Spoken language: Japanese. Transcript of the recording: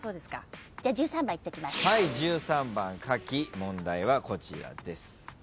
１３番「かき」問題はこちらです。